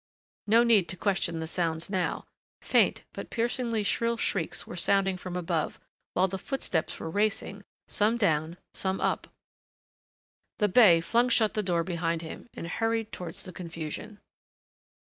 No need to question the sounds now. Faint, but piercingly shrill shrieks were sounding from above, while the footsteps were racing, some down, some up The bey flung shut the door behind him and hurried towards the confusion.